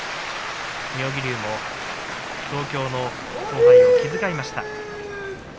妙義龍が、同郷の後輩を気遣いました。